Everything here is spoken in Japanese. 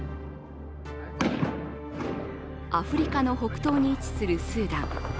アフリカの北東に位置するスーダン。